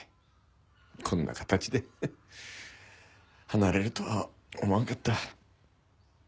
こんな形で離れるとは思わんかった。